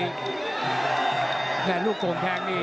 ดังนั้นลูกกลงแข็งนี้